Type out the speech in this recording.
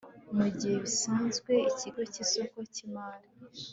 Mu gihe bisabwe Ikigo cy isoko ry imari